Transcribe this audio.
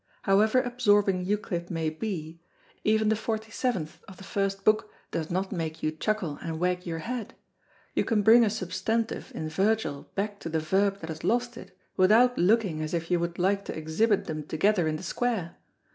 However absorbing Euclid may be, even the forty seventh of the first book does not make you chuckle and wag your head; you can bring a substantive in Virgil back to the verb that has lost it without looking as if you would like to exhibit them together in the square.